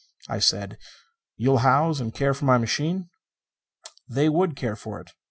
I said, "You'll house and care for my machine?" They would care for it.